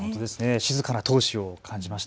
静かな闘志を感じました。